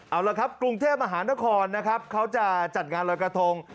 เอาละครับกรุงเทพมหานครนะครับเขาจะจัดงานรอยกระทง